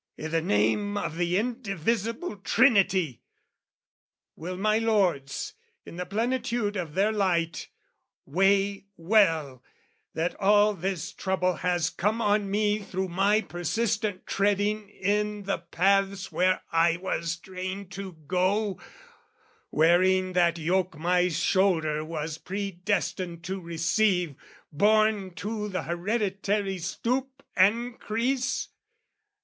I' the name of the indivisible Trinity! Will my lords, in the plentitude of their light, Weigh well that all this trouble has come on me Through my persistent treading in the paths Where I was trained to go, wearing that yoke My shoulder was predestined to receive, Born to the hereditary stoop and crease?